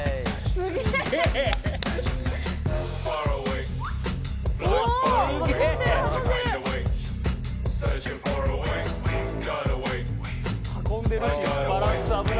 すげえな。